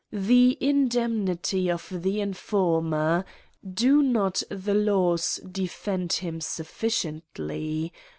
The indemnity of the informer; do not the laws defend him sufficiently